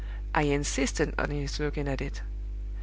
I insisted on his looking at it.